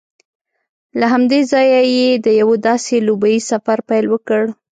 له همدې ځایه یې د یوه داسې لوبیز سفر پیل وکړ